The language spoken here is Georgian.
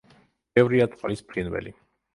ბევრია წყლის ფრინველი.